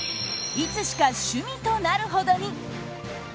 いつしか趣味となるほどに。